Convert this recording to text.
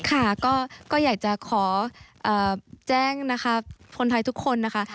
ค่ะก็อยากจะขอแจ้งนะคะคนไทยทุกคนนะคะ